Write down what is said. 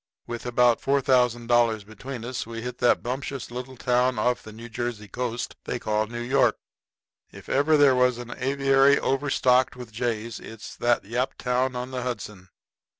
With about $4,000 between us we hit that bumptious little town off the New Jersey coast they call New York. If there ever was an aviary overstocked with jays it is that Yaptown on the Hudson.